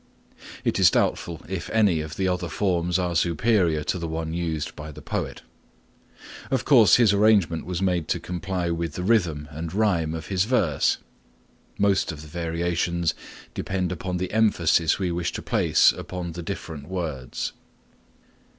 It is doubtful if any of the other forms are superior to the one used by the poet. Of course his arrangement was made to comply with the rhythm and rhyme of the verse. Most of the variations depend upon the emphasis we wish to place upon the different words.